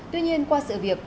tuy nhiên qua sự việc